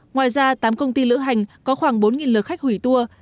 ngoài ra tám công ty lữ hành có khoảng bốn lượt khách hủy tour